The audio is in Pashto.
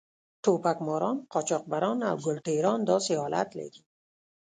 ټوپک ماران، قاچاقبران او ګل ټېران داسې حالت لري.